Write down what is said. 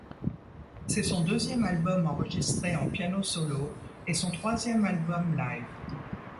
C'est son deuxième album enregistré en piano solo, et son troisième album live.